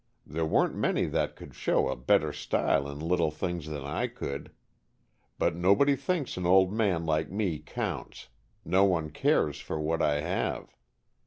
There weren't many that could show a better style in little things than I could. But nobody thinks an old man like me counts. No one cares for what I have."